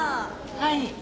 はい。